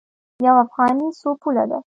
یوه افغانۍ څو پوله ده؟